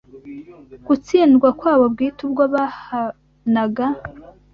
gutsindwa kwabo bwite ubwo bahānaga